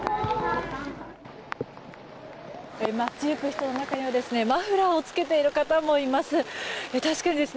街行く人の中にはマフラーを着けている方もいます。